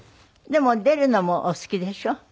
でも出るのもお好きでしょう？